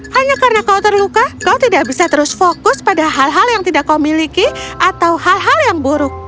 hanya karena kau terluka kau tidak bisa terus fokus pada hal hal yang tidak kau miliki atau hal hal yang buruk